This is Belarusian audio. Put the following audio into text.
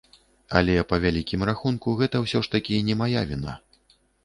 Але, па вялікім рахунку, гэта ўсё ж такі не мая віна.